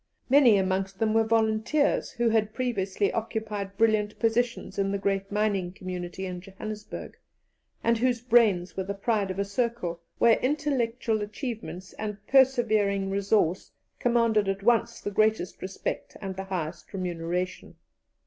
Many amongst them were volunteers, who had previously occupied brilliant positions in the great mining community in Johannesburg, and whose brains were the pride of a circle where intellectual achievements and persevering resource commanded at once the greatest respect and the highest remuneration.